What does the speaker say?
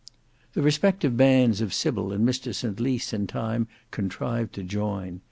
The respective bands of Sybil and Mr St Lys in time contrived to join.